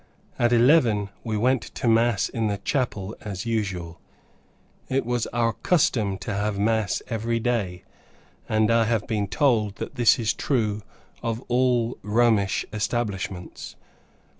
At eleven, we went to mass in the chapel as usual. It was our custom to have mass every day, and I have been told that this is true of all Romish establishments.